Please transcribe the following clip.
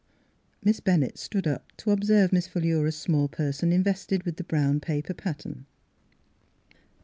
'^ Miss Bennett stood up to observe Miss Philura's small person invested with the brown paper pattern.